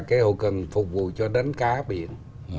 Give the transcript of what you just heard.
cái hậu cận phục vụ cho đánh cá biển